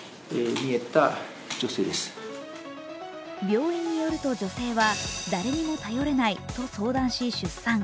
病院によると女性は誰にも頼れないと相談し、出産。